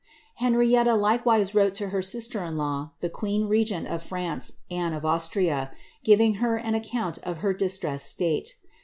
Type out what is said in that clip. Henrietta likewise wrote to her sister in law, the queen regent of France, Anne of Austria, giving her an account of her distressed state.